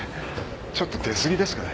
ちょっと出過ぎですかね？